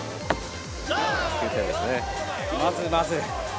まずまず。